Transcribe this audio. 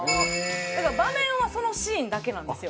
だから場面はそのシーンだけなんですよ。